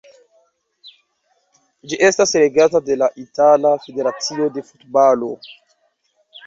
Ĝi estas regata de la Itala Federacio de Futbalo.